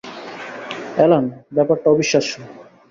Alan, ব্যাপারটা অবিশ্বাস্য।